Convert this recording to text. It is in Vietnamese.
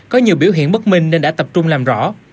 có nhiều biểu hiện bất minh nên đã tập trung làm rõ